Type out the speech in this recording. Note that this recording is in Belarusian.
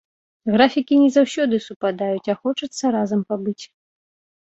Графікі не заўсёды супадаюць, а хочацца разам пабыць.